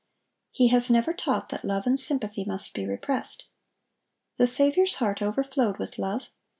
He has never taught that love and sympathy must be repressed. The Saviour's heart overflowed with love.